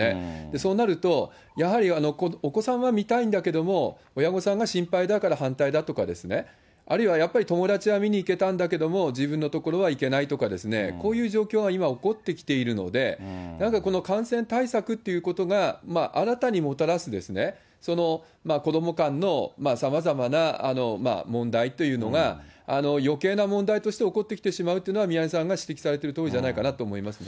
そうなると、やはりお子さんは見たいんだけれども、親御さんが心配だから反対だとか、あるいはやっぱり友達は見に行けたんだけれども、自分のところは行けないとかですね、こういう状況が今、起こってきているので、なんかこの感染対策っていうことが新たにもたらす、子ども間のさまざまな問題というのが、よけいな問題として起こってきてしまうというのは、宮根さんが指摘されてるとおりじゃないかなと思いますね。